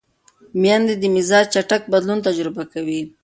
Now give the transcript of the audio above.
مېندې د مزاج چټک بدلون تجربه کوي.